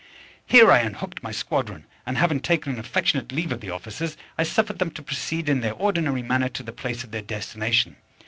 Here I unhooked my squadron, and having taken an affectionate leave of the officers, I suffered them to proceed in their ordinary manner to the place of their destination.